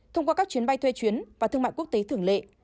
thông qua các chuyến bay thuê chuyến và thương mại quốc tế thường lệ